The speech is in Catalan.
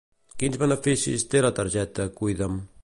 Quins beneficis té la targeta Cuida'm?